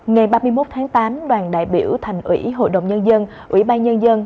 ngày ba mươi một tháng tám đoàn đại biểu thành ủy hội đồng nhân dân ủy ban nhân dân